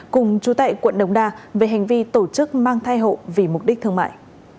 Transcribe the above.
cùng chú tại quận đồng đa về hành vi tổ chức mang thai hộ vì mục đích thương mại